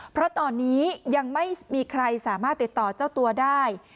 เพราะตอนนี้ยังไม่มีใครสามารถติดต่อเจ้าตัวได้